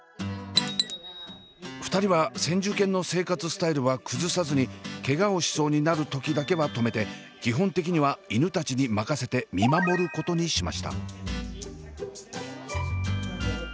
２人は先住犬の生活スタイルは崩さずにケガをしそうになる時だけは止めて基本的には犬たちに任せて見守ることにしました。